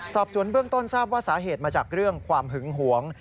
สอบสวนเบื้องต้นทราบว่าสาเหตุมาจากเรื่องความหึงหวง